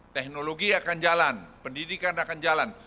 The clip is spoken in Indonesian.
teknologi akan jalan pendidikan akan jalan